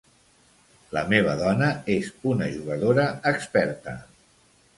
La meva dona és una jugadora experta.